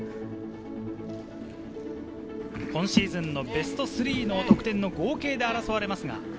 今シーズンのベスト３の得点の合計で争われます。